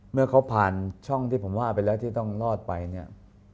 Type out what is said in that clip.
เมื่อเขาผ่านช่องที่ผมว่าไปแล้วที่ต้องรอดไปเนี่ย